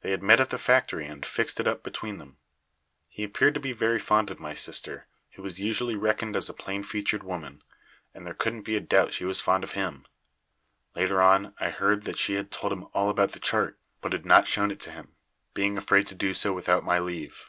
They had met at the factory and fixed it up between them. He appeared to be very fond of my sister, who was usually reckoned a plain featured woman, and there couldn't be a doubt she was fond of him. Later on, I heard that she had told him all about the chart, but had not shown it to him, being afraid to do so without my leave.